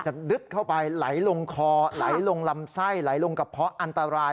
ดึกเข้าไปไหลลงคอไหลลงลำไส้ไหลลงกระเพาะอันตราย